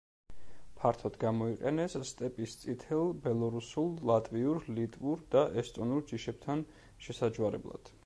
ფართოდ გამოიყენეს სტეპის წითელ, ბელორუსულ, ლატვიურ, ლიტვურ და ესტონურ ჯიშებთან შესაჯვარებლად.